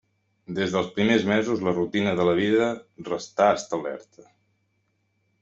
Des dels primers mesos la rutina de la vida restà establerta.